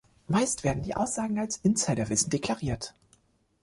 Meist werden die Aussagen als Insiderwissen deklariert.